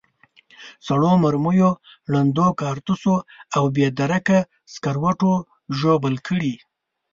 سړو مرمیو، ړندو کارتوسو او بې درکه سکروټو ژوبل کړي.